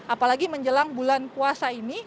apalagi menjelang bulan puasa ini